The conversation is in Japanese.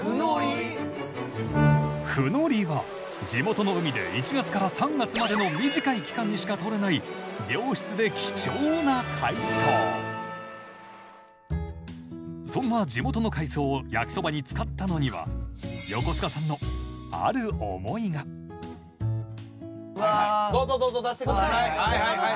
フノリは地元の海で１月から３月までの短い期間にしかとれない良質で貴重な海藻そんな地元の海藻を焼きそばに使ったのには横須賀さんのある思いがどうぞどうぞ出してください。